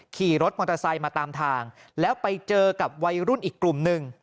ขี่รถมอเตอร์ไซค์มาตามทางแล้วไปเจอกับวัยรุ่นอีกกลุ่มหนึ่ง